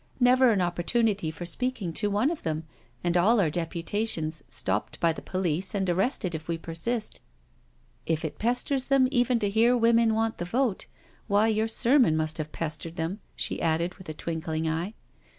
Never an opportunity for speaking to one of them, and all our deputations stopped by the police and arrested if we persist. If it pesters them even to hear women want the vote, why your sermon must have pestered them," she added, with a twinkling eye.